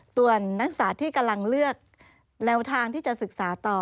ส่วนนักศึกษาที่กำลังเลือกแนวทางที่จะศึกษาต่อ